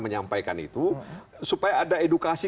menyampaikan itu supaya ada edukasi